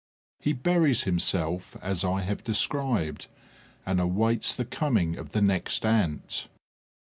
He buries himself as I have described and awaits the coming of the next Ant.